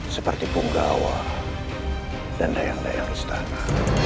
seperti punggawa dan dayang dayang istana